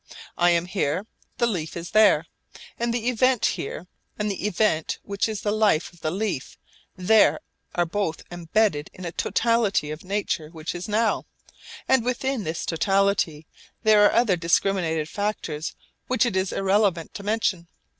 I am here, the leaf is there; and the event here and the event which is the life of the leaf there are both embedded in a totality of nature which is now, and within this totality there are other discriminated factors which it is irrelevant to mention.